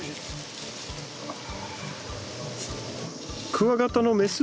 クワガタのメス？